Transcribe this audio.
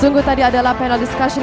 tunggu tadi adalah panel discussion